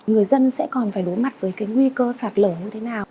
người dân sẽ còn phải đối mặt với cái nguy cơ sạt lở như thế nào